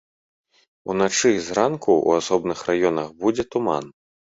Уначы і зранку ў асобных раёнах будзе туман.